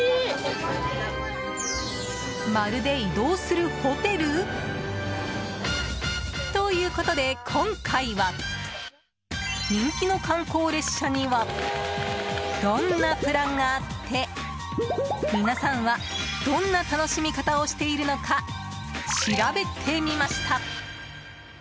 まるで移動するホテル？ということで今回は、人気の観光列車にはどんなプランがあって皆さんはどんな楽しみ方をしているのか調べてみました。